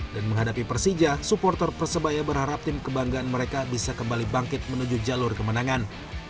dan menghadapi persija supporter persebaya berharap tim kebanggaan mereka bisa kembali bangkit menuju jalur kemenangan